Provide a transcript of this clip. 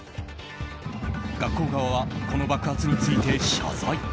学校側はこの爆発について謝罪。